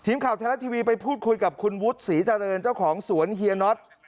ทีมข่าวไทยรัฐทีวีไปพูดคุยกับคุณวุฒิศรีเจริญเจ้าของสวนเฮียน็อต